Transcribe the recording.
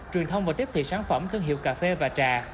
truyền thông và tiếp thị sản phẩm thương hiệu cà phê và trà